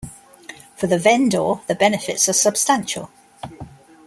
For the vendor, the benefits are substantial.